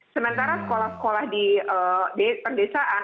sementara sekolah sekolah di perdesaan